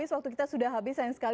waktu kita sudah habis